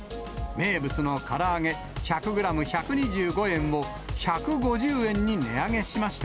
名物のから揚げ１００グラム１２５円を１５０円に値上げしました。